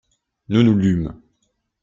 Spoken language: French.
Nous, nous lûmes.